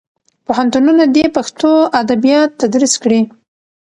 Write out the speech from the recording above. پوهنتونونه دې پښتو ادبیات تدریس کړي.